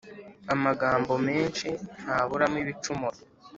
amagambo menshi ntaburamo ibicumuro,